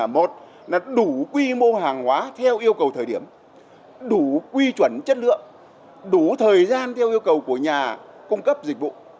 một là đủ quy mô hàng hóa theo yêu cầu thời điểm đủ quy chuẩn chất lượng đủ thời gian theo yêu cầu của nhà cung cấp dịch vụ